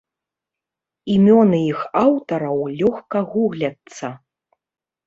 Імёны іх аўтараў лёгка гугляцца.